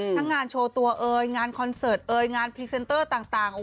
ทั้งงานโชว์ตัวเอางานคอนเซิร์ตเองานเพริสเซ็นต์ต่าง